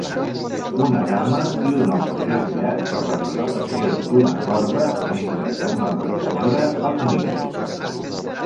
Una dama i un home agenollat per la celebració d'una corda, mentre que una altra senyora els mira